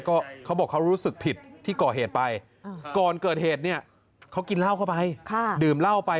ก็เขาบอกเขารู้สึกผิดที่ก่อเหตุไปก่อนเกิดเหตุเนี่ยเขากินเหล้าเข้าไปดื่มเหล้าไป